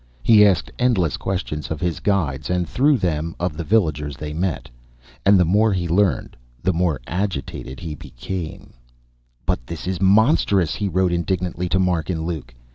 He asked endless questions of his guides, and through them, of the villagers they met; and the more he learned, the more agitated he became. "But this is monstrous," he wrote indignantly to Mark and Luke.